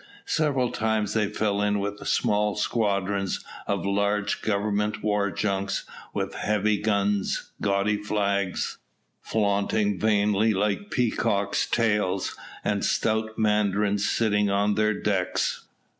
Several times they fell in with small squadrons of large government war junks, with heavy guns, gaudy flags, flaunting vainly like peacocks' tails, and stout mandarins sitting on their decks.